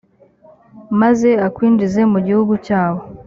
maze akwinjize mu gihugu cyabo